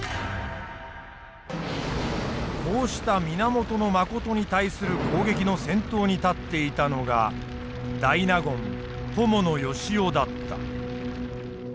こうした源信に対する攻撃の先頭に立っていたのが大納言伴善男だった。